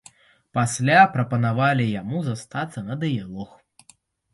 Пасля прапанавалі яму застацца на дыялог.